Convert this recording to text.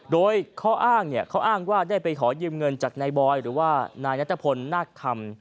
โดยเขาอ้างว่าได้ไปขอยืมเงินจากนายบอยหรือว่านายนัตรพลนาคม